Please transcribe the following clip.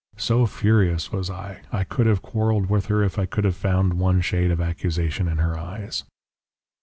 So furious was I, I could have quarrelled with her if I could have found one shade of accusation in her eyes.